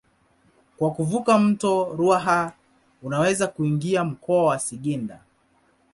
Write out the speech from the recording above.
Kwa kuvuka mto Ruaha unaweza kuingia mkoa wa Singida.